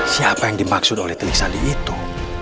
siapa yang dimaksud oleh tegik sandi itu